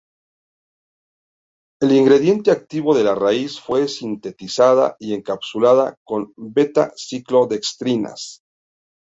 El ingrediente activo de la raíz fue sintetizada y encapsulada con beta-ciclodextrinas.